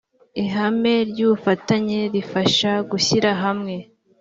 ihame ry ‘ubufatanye rifasha gushyira hamwe .